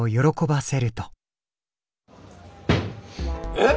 えっ？